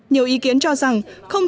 nhiều ý kiến cho rằng